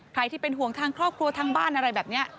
ใครที่เป็นห่วงทางครอบครัวทางบ้านอะไรแบบนี้